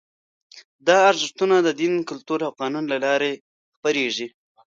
دا ارزښتونه د دین، کلتور او قانون له لارې خپرېږي.